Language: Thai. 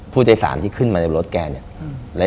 ผู้โดยสารที่ขึ้นมาในรถแกเนี่ย